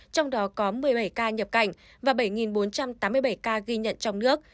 trong đó có một mươi bảy ca nhập cảnh và bảy bốn trăm tám mươi bảy ca ghi nhận trong nước